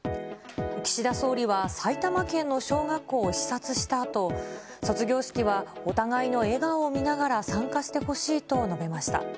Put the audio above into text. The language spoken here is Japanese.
岸田総理は、埼玉県の小学校を視察したあと、卒業式はお互いの笑顔を見ながら参加してほしいと述べました。